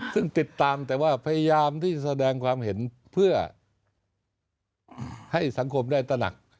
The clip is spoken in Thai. ซึ่งติดตามแต่ว่าพยายามที่แสดงความเห็นเพื่อให้สังคมได้ตระหนัก